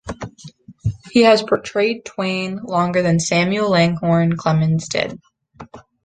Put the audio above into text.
He has portrayed Twain longer than Samuel Langhorne Clemens did.